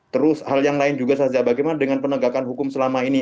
terus hal yang lain juga saja bagaimana dengan penegakan hukum selama ini